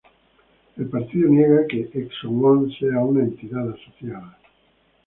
El partido niega que "ExO One" sea una entidad asociada.